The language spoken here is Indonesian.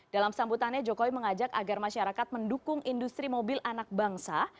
dalam sambutannya jokowi mengajak agar masyarakat mendukung industri mobil anak bangsa